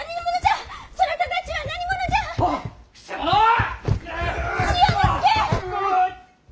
あ。